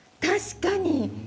確かに！